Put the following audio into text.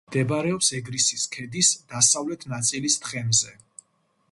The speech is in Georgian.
მდებარეობს ეგრისის ქედის დასავლეთი ნაწილის თხემზე.